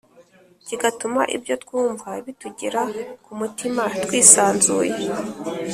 kigatuma ibyo twumva bitugera ku mutima twisanzuye